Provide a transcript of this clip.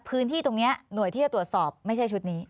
พื้นที่ตรงนี้หน่วยที่จะตรวจสอบไม่ใช่ชุดนี้